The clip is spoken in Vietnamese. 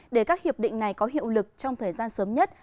để các hiệp định này có hiệu lực trong thời gian sớm nhất